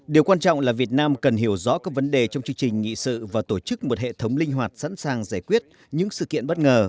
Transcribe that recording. điều quan trọng là việt nam cần hiểu rõ các vấn đề trong chương trình nghị sự và tổ chức một hệ thống linh hoạt sẵn sàng giải quyết những sự kiện bất ngờ